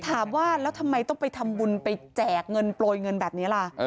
ถามว่าแล้วทำไมต้องไปทำบุญไปแจกเงินโปรยเงินแบบนี้ล่ะ